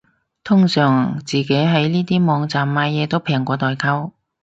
通常自己喺呢啲網站買嘢都平過代購